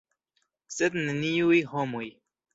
Sed neniuj homoj.